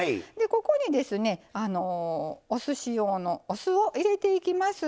ここにですねおすし用のお酢を入れていきます。